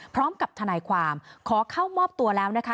พร้อมกับทนายความขอเข้ามอบตัวแล้วนะคะ